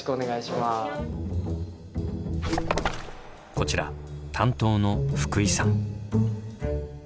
こちら担当の福井さん。